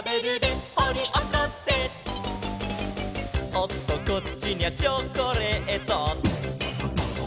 「おっとこっちにゃチョコレート」